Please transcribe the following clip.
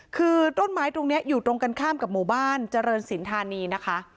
คือต้นไม้ตรงนี้อยู่ตรงกันข้ามกับหมู่บ้านเจริญสินธานีนะคะ